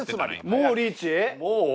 もうリーチ。